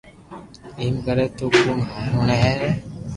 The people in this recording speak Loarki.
ايم ڪري تو ڪوڻ ھوڻي لي